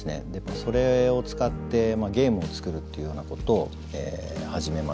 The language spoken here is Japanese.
それを使ってゲームを作るっていうようなことを始めました。